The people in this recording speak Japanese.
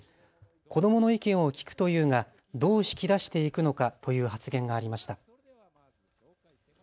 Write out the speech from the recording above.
子どもの意見を聴くというがどう引き出していくのかという発言がありました。